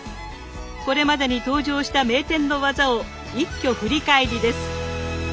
これまでに登場した名店の技を一挙振り返りです！